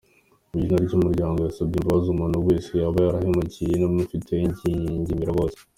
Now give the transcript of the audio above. Mu izina ry’umuryango, yasabye imbabazi umuntu wese yaba yarahemukiye n’abamufiteho ingingimira bose.